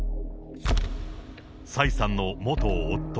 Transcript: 蔡さんの元夫。